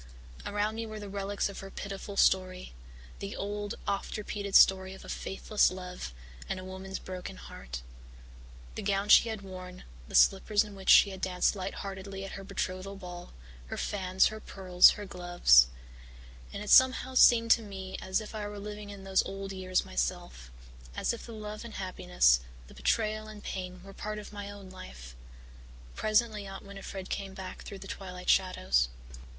Around me were the relics of her pitiful story the old, oft repeated story of a faithless love and a woman's broken heart the gown she had worn, the slippers in which she had danced light heartedly at her betrothal ball, her fan, her pearls, her gloves and it somehow seemed to me as if I were living in those old years myself, as if the love and happiness, the betrayal and pain were part of my own life. Presently Aunt Winnifred came back through the twilight shadows.